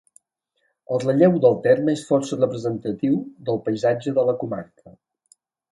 El relleu del terme és força representatiu del paisatge de la comarca.